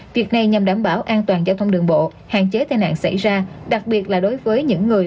việc này nhằm đảm bảo an toàn giao thông đường bộ hạn chế tai nạn xảy ra đặc biệt là đối với những người